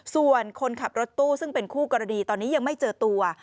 ส่วนคนขับรถตู้ซึ่งเป็นคู่กรณีตอนนี้ยังไม่เจอตัว